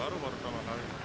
emang baru kali ini repitest